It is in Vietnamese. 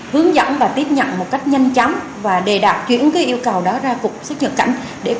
hướng dẫn và tiếp nhận một cách nhanh chóng và đề đạt chuyển yêu cầu đó ra cục xuất nhập cảnh